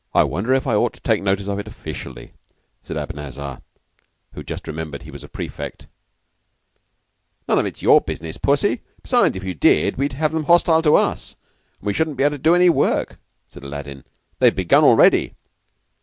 "Wonder if I ought to take any notice of it officially," said Abanazar, who had just remembered he was a prefect. "It's none of your business, Pussy. Besides, if you did, we'd have them hostile to us; and we shouldn't be able to do any work," said Aladdin. "They've begun already."